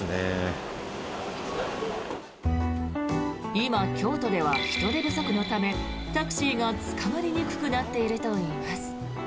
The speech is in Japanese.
今、京都では人手不足のためタクシーがつかまりにくくなっているといいます。